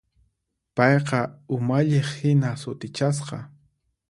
Payqa umalliqhina sutichasqa.